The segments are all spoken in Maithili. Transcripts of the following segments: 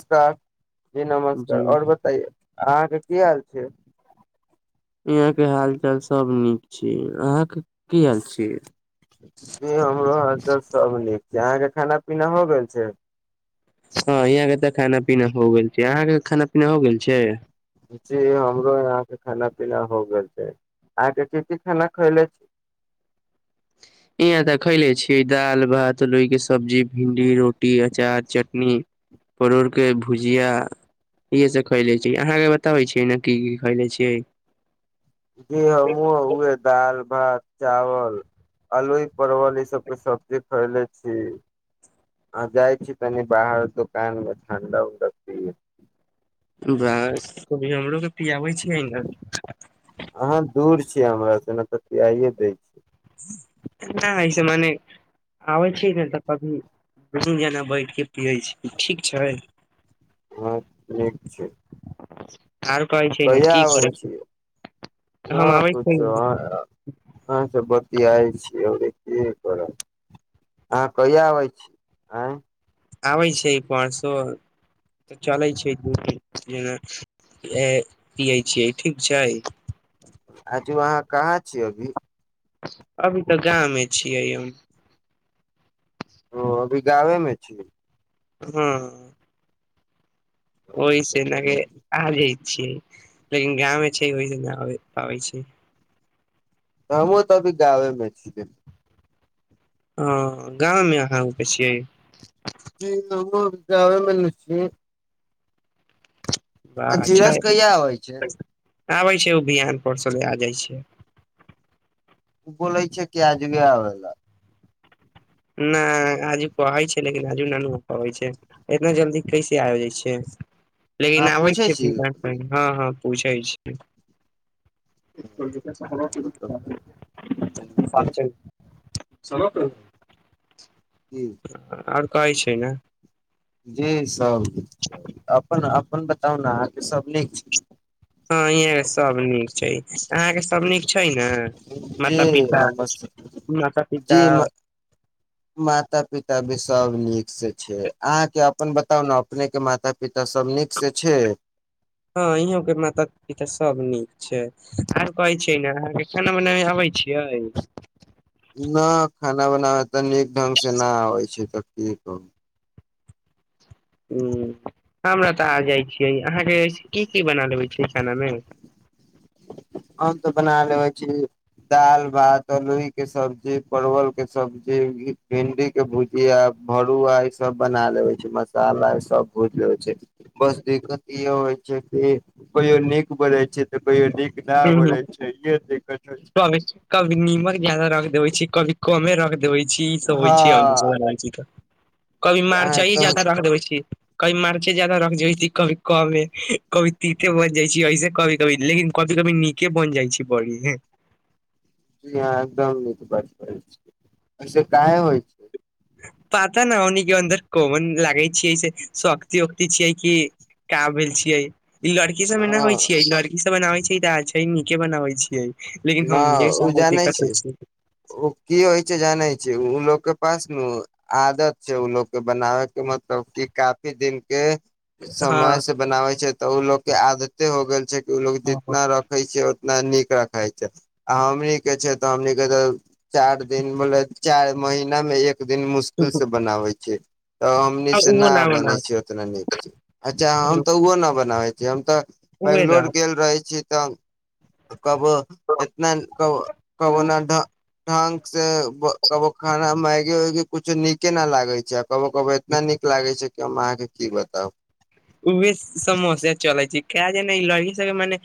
स्कार जी नमस्कार, जी आओर बताइए अहाँके की हाल। छै। इहाँ के हाल चाल सब नीक छी, अहााँके की हाल छी। जी, हमरो हल सब नीक। अहाँके खाना पीना हो गेल छै। हँ, यहाँके तऽ खाना पीना हो गेल छै, अहाँके खाना पीना हो गेल छै। जी, हमरो यहाँ के खाना पीना हो गेल छै, अहाँके की की खाना खयले छी। ईहाँ तऽ खैले छियै, दाल, भात, लोहिके सब्जी, भिंडी, रोटी, अचार, चटनी, परोड़ के भुजिया, इहे सभ खैले छी, अहाँके बताबै छीियै ने की की खयले छियै। जी हमहु उहे दाल भात, चावल, अलूी परवल ई सब के सब्जी खयले छी, आ जाइ छी तनि बाहर दुकान मे ठं्डा उंडा बास कभी हमरो के पियाबै छियै ने अहाँ दूर हमरा से ने तऽ खियाइे दै छी। नहि ऐसे मने आबै छै न तऽ कभी गूँ जेना बैठ के पियै छी, ठीक छै। हँ, ठीक छै। [unintelligible] छै ने कय की आबै करै छिय, छै न हम आबै पूछ छियै [unintelligible] कियाओ छीयो की करब, अहाँ कहिआ आबै छी, आ आबैत छै पाँचसो, तऽ चलैत छै जेना पियै छियै ठीक छै। आजू अहाँ कहाँ छिय अभी। अभी तऽ गाव मे छियै हम। ओ, अभी गावे मे छीिय। ह्म्म। ओहि सेना के आई छि, लेकिन गाँ मे छै ओहिसँ नहि आ पाबै छी। हमो तऽ अभी गाँवे मे छियै। हाँ, गाव मे अहाँ उके छियै। गावे मेल छी। वाह आ अच्छा धीरज कहिया आव छीय। आबै छै ओ बिहान, परसँ ले आ जाइ छै। बोलै छै कि आजबे आवेला। ना, आजू कहै छै लेकिन आजू नहि हो पाबै छै, इतना जल्दी कैसे आब जाइ छै। लेकिन अहाँ आबै पूछै छै छी बिहान मे, हँ, हँ। पूछैय छी। [unintelligible] सरत आओर कई छै न। जी सभ, अपन-अपन बताउ न, अहाँके सभ नीक छै। हँ, इहाँके सभ नीक छै, अहाँके सभ नीक छै न, जी माता-पिता, नमस्ते माता-पिता माता-पिता भी सभ नीक सँ छै, अहाँके अपन बताउ न अपने के माता-पिता सभ नीक सँ छै। हँ, ईहऊ के माता-पिता सभ नीक छै, आर कहै छियै ने अहाँके खाना बनाबय आवे छियै। ना, खाना बनाबै तऽ नीक ढङ्ंगसँ नहि आबै छै तऽ की कहू। ह्म हमरा तऽ आ जाइ छियै, अहाँके की की बना लेबै छिय खाना मे। हम तऽ बना लेबे छी, दाल, भात, अोइ के सब्जी, परवल के सब्जी, भिंडी के भुजी, आ भरुआ ई सब बना लेवे छी, मसाला सब भूज लेब छी, बस दिक्कत इहो होइ छै कि कहियो नीक बनै छै त कहियो निक क कभी निमक ज्यादा रख देब छी, कभी कोमे रख दे होइ चीज सब होय छै, हँ [unintelligible] कभी अहाँ मारचाइ एकदम जादा रख देबै छी। कभी मर्चे जादा रख जेएती, कभी कमे, कभी तीते बन जाय छी, ऐसे कभी-कभी लेकिन कभी नीके बन जाइ छी बढ़िए। जी ह एकदम नीक बात कर छी, ऐईसे काहे होइ पता न, ओहनी के अन्दर कोवन लागे छियै से शक्ति उक्त छियै कि, का भेल छियै। ई लड़की सबमे नै होय न छियै, ई लड़की त बनाबै छी ते अच्छे, नीके बनाबै छियै। लेकिन ना हमनिये उ सामने जानै दिक्कत छी, होइ छै उ की होय छै जानै छी। उ उ लोग के पास नु आदत छै, उ लोग के बनाबे के मतलब कि काफी दिन के समय हँ से बनाबै छै। तऽ उ लोग के आदते हो गेल छै। उ लोग हँ जितना रखे छै। ना नीक रखे छै, आ हमनी के छै तऽ हमनी के ते चार दिन बोले, चार महिना मे एक दिन मुश्किल से बनाबै छै। तऽ हमनी से उहो ना न बनै बनाउ छै, ओतना नीक से अच्छा हम तऽ उहो ना बनाबै जे हम तऽ उहे न बैंगलोर गेल रहै छी। त कब एतना क कबो ना ढ ढ़ंग से ब कबो खाना मैगी-वैगी कुछो नीके न लागै छै आ कबो-कबो एतना नीक लागै छै कि हम अहाँ के की बताउ। उहे समस्या चलै छै काय जने ई लड़की सबके मने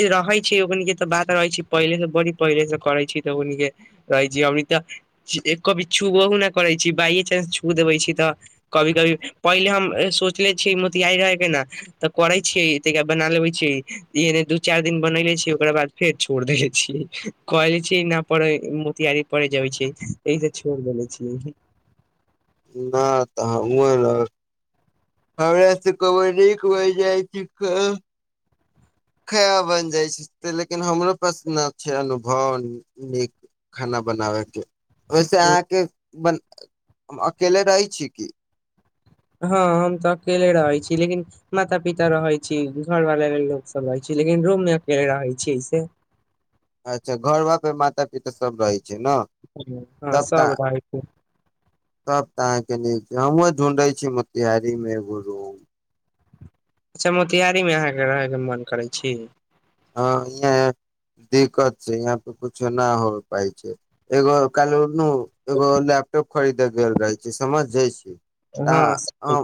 ए रहै छै, ओकनी के तऽ बात रहै छै पहिले से बड़ी पहिले से करै छी तऽ ओकनी के रहै छी, अभी त एक कप छुबौह नै करै छी, बाइेचानंस छू देबै छी तऽ कभी-कभी पहिले हम ए सोचले छीये म तियारी रहे के न तऽ करै छियै, तेका बना लेैबै छियै, इन्ने दू-चार दिन बनेले छीये ओकरा बाद फेर छोड़ देेले छियै, कहे छियै ना पड़े, मोतियारी पड़ जाब छै, एहि से छोड़ देेले छियै। ना तऽ हमु अर, हमरा से कबो नीक बैन जाय छै, क खराब बन जाय छै, ते लेकिन हमरो पास ना छै अनुभव नीक खाना बनाबय के। वैसे अहाँ के बन हम अकेले रहै छी की। हाँ हम त अकेले रहै छी, लेकिन माता-पिता रहै छी, घर वाला लोक सब रहै छी, लेकिन रूम मे अकेले रहै छी ऐसे। अच्छा घरबा पे माता-पिता सब रहै छै न हाँ सब तऽ रहैती। तब तऽ अहाँ के नीक छै, हमु ढूंढे छी मोतिहारी मे एगो रूम। अच्छा मोतियारी मे अहाँ के रहय के मन करै छी। हाँ इहां दिक्कत छै, यहां पे कुछो ना हो पाय छै, एगो काएल नु एगो लैपटॉप खरीदे गेल रहै छी, समझे छी। त हँ ह अहाँ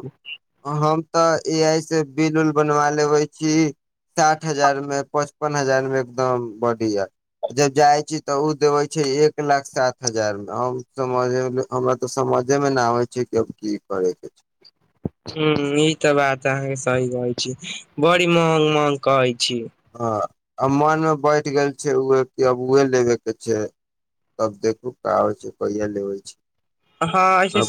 हम, हम तऽ ए आई से बिल-उल बनवा लेबे छी साठ हजार मे। पचपन हजार मे एगदम बडिया, जब जाय छी ते उ देबै छै एक लाख सात हजार मे हम समझे मे, हमरा ते समझे मे ना आबै छै कि आब की करय के छै। ह्म्म ई ते बात अहाँ के सही कहै छी, बड़ी महग-महग कहै छी हाँ। आब मन मे बैठ गेल छै उहे कि अब उहे लेबे के छै, तब देखू का हो छै, कहिया लेबे छी। हाँ ऐसे [unintelligible]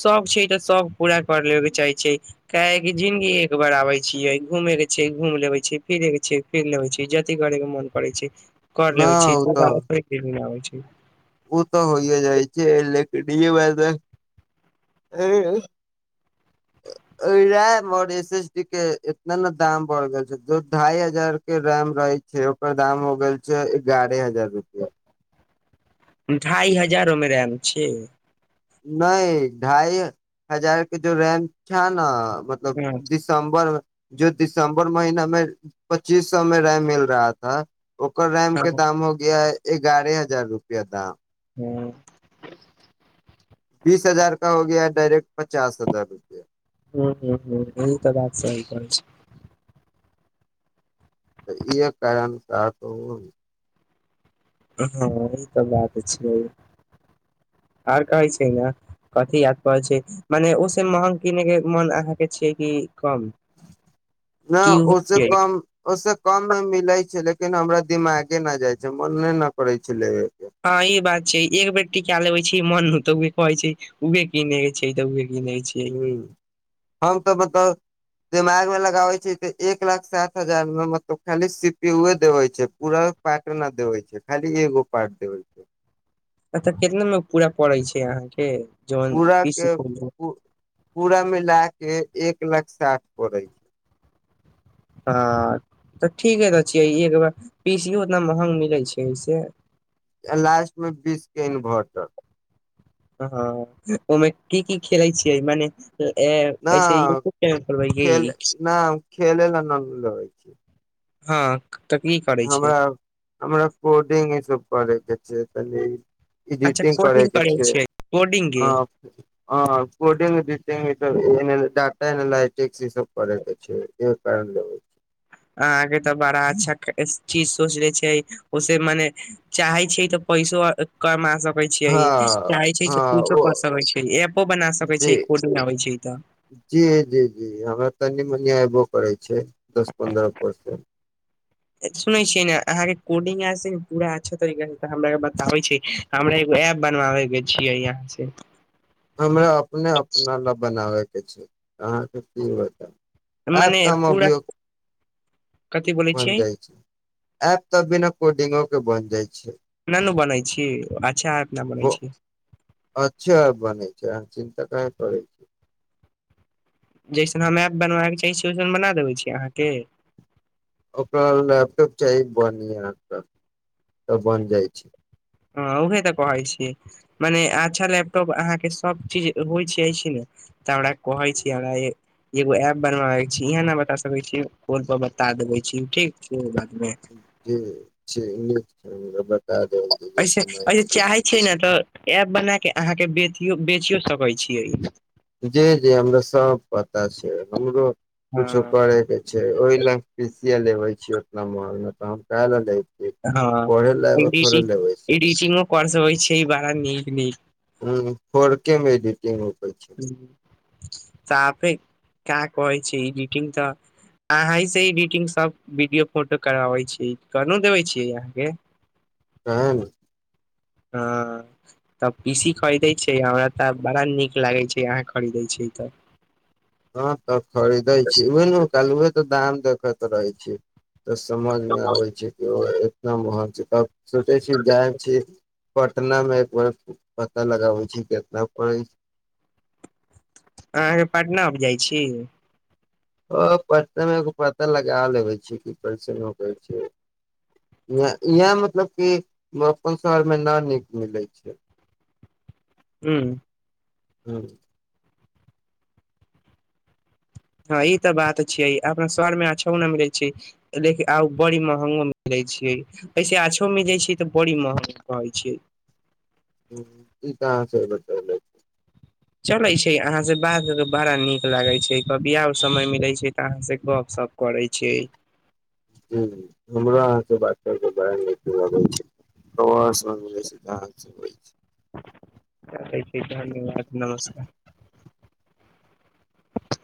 सब छै तऽ सब पूरा कर लेबे चाही छै। काहे की जिनगी एकबार आबे छीयै, घूमे के छै घूम लेबे छी, फिरे के छै फिर लेबै छी, जथी करे के मोन करे छै। कर न लेबै छी, दुबारा थोड़ी फिर घूमे आबै छै। ह्म्म। उ ते होये जाय छै, लेकिन [unintelligible] रैम और एस एस डी के एतना ना दाम बढ़ गेल छै जो ढाई हजार के रैम रहै छै, ओकर दाम हो गेल छै एगारे हजार रुपया। ढ़ाई हजार ओय मे रैम छै। नै ढाई हजार के जो रैम छा ना मतलब हँ दिसम्बर मे [unintelligible] ओकर रैम हँ के दाम हो गया है। एगारे हजार रुपया दाम। हाँ। [unintelligible] ह्म्म, ह्म्म, ह्म्म ई ते बात सही कहे छै। तऽ इहे कारण साथहु हाँ ई ते बात छै आर कहै छै ने कथी याद पड़े छै, मने उ से महग किनेै के मन अहाँ के छै कि कम ना कि उहे ओ से छियै कम, ओय से कम मे मिलय छै, ले किन हमरा दिमागे ना जाय छै, मने ना करे छै ले हाँ ई बात छै एक बेर टिका लेबै छी मन, ते उहे कहै छै, उहे कीने ह्म्म हम ते मतलब दिमाग मे लगाबै छै तऽ एक लाख सात हजार मे मतलब खाली सी पी यू देवै छै, पूरा पार्टो न देवै छै, खाली एगो पार्ट देवै छै। अच्छा केतना मे पूरा पड़ै छै अहाँ के। पूरा के उ पूरा मिला के एक लाख साठ पड़ै छै। हाँ ते ठीके ते छियै एक लाख पी सी यो ओतना महग मिलै छै ए से। अ लास्ट मे बीस के इंभर्टर। हाँ ओय मे की-की खेलै छियै, मने ए, ना ऐसे यूट्यूब चैनल खोलबै खेले ना हम खेले ले लालना छी। हाँ। हमरा, हमरा कोडिंग इ सब पढ़े के जे तनी अच्छा इडिटिंग करे कोडिंग के करै छिये, छै कोडिंग के आ आ कोडिंग इडिटिंग [unintelligible] सी सब करै के छै, दे [unintelligible] अहाँ के ते बड़ा अच्छा चीज सोचले छै, ओ से मने चाहे छै ते पैसो कमा सक होय छीये, हँ चाहै छै ते हँ कुछो ओ कर सकै छै, एपो बना सकै जी छै, कोडिंग आबै छै तऽ। पिऐबो करै छै, दस पन्द्रर परसेंट। ए सुनै छियै ने अहाँ के कोडिंग आय से पूरा अच्छा तरीका से ते हमरा बताबै छी, हमरा एगो ऐप बनवाबै के छियै इहाँ से। हमरा अपने अपना ल बनाबय के छै, अहाँ के की बताऊ। ऐप मने ते हम पूरा अभियो, कथी बोलै बन छियै जाय छै, ऐप ते बिना कोडिंगो तो बन जाय छै। ना नु बनै छी, आ बो अच्छा बने छै, अहाँ चि संक्रैत पड़ै छै। जैसन हम ऐप बनबाएबे के चाहै छी, ओैसन बना देबै छी अहाँ के। ओकरा लैपटॉप चाही बन्हिया तऽ बन जाय छै। हाँ उहे तऽ कहै छी मने अच्छा लैपटॉप अहाँ के सब चीज होय छै से ने तऽ हमरा कहै छी, हमरा ए एगो ऐप बनवावे छी, इहां ना बता सकै छी, फोन पर बता देबे छी ठीक [unintelligible] ह्म्म, ठीक छै [unintelligible] [unintelligible] ऐसे, ऐसे जे चाहै छै ने तऽ ऐप बना के अहाँ के बेतियो बेचियो सकै छियै। जी-जी हमरा सब पता छै, हमरो हँ कुछो करे के छै, ओय लंग पी सी या लेबे छी ओतना महंगा, काम काए रहल जाय हाँ ई डी सी छी इडिटिंगो पर से होय छै बाड़ा नीक-नीक। ह्म्म, फॉर के मे इडिटिंग ह्म्म। साफे का कहै छी इडिटिंग तऽ आहीँ से इडिटिंग सब वीडियो, फोटो कराबै छी, कहनु देबै छी अहाँ के। उहाए ने। हाँ तऽ पी सी खरीदैक छै, हमरा ते आब बड़ा नीक लागै छै, अहाँ खरीदै छी तऽ। हाँ त खरीदै छी, उहे नु कल्हुए तऽ दाम देखैत रहै छी। तऽ समझ मे आबै छै कि ओ ए ना महग छै तब सोचे छी जाय छी। पटना मे एक बेर पता लगाबै छी केतना पड़ै अहाँ के पटना अब जाय छी। ओ पटनो के पता लगा लेबै छी की कैसन होैकै छै, इहाँ, इहाँ मतलब कि अपन शहर मे ना नीक मिलै छै। हुं। हुं। हां इ त बात छियै अपना सरमे अच्छो नहि मिलै छै लेकिन आब बड़ी महंगो मिलै छै, वैसे अच्छो मिलै छै त बड़ी महंगो मिलै छै। हुं, इ कहां से बतेलैथ। चलै छै, अहांसे बात बड़ा नीक लागै छै, कभी आउ समय मिलै छै त अहांसे गपशप करै छै। हुं, हमरो अहांसे बात क के बड़ा नीक लगैये। [unintelligible] रखै छी धन्यवाद, नमस्कार।